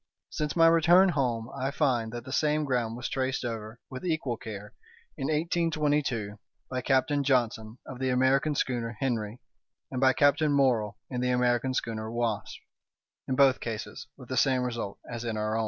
Since my return home I find that the same ground was traced over, with equal care, in 1822, by Captain Johnson, of the American schooner Henry, and by Captain Morrell in the American schooner Wasp—in both cases with the same result as in our own.